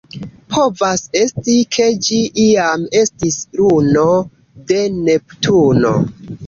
Povas esti, ke ĝi iam estis luno de Neptuno.